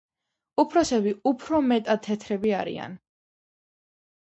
უფროსები უფრო მეტად თეთრები არიან.